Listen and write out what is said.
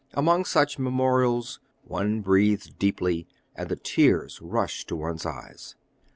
Among such memorials one breathes deeply, and the tears rush to one's eyes."